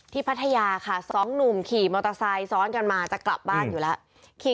พัทยาค่ะสองหนุ่มขี่มอเตอร์ไซค์ซ้อนกันมาจะกลับบ้านอยู่แล้ว